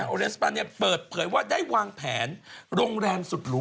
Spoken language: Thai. เลสปาเนี่ยเปิดเผยว่าได้วางแผนโรงแรมสุดหรู